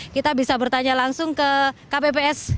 kita bisa bertanya langsung ke kpps